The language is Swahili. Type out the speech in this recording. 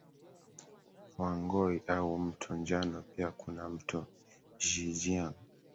Hwangho au mto njano pia kuna mto Xi Jiang